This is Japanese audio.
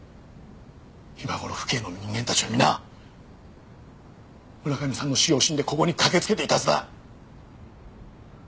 今頃府警の人間たちは皆村上さんの死を惜しんでここに駆けつけていたはずだ！